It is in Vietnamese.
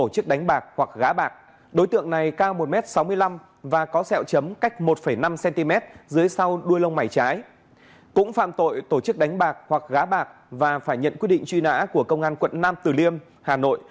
cũng phạm tội tổ chức đánh bạc hoặc gá bạc và phải nhận quyết định truy nã của công an quận nam từ liêm hà nội